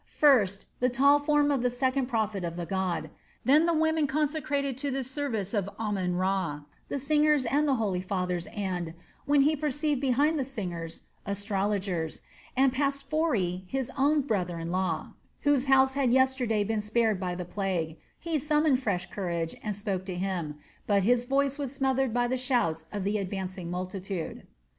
First, the tall form of the second prophet of the god, then the women consecrated to the service of Amon Ra, the singers and the holy fathers and, when he perceived behind the singers, astrologers, and pastophori his own brother in law, whose house had yesterday been spared by the plague, he summoned fresh courage and spoke to him. But his voice was smothered by the shouts of the advancing multitude.